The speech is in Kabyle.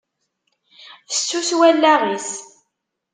Fessus wallaɣ-is.